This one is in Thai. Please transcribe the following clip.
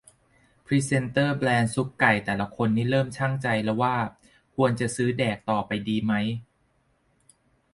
"พรีเซ็นเตอร์แบรนด์ซุปไก่แต่ละคนนี่ เริ่มชั่งใจละว่าควรจะซื้อแดกต่อไปดีไหม"